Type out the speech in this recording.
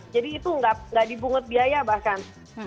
jadi itu gak dibungkut biaya bahkan